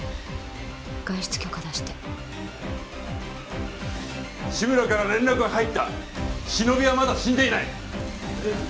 外出許可出して志村から連絡が入ったシノビはまだ死んでいない・えっ？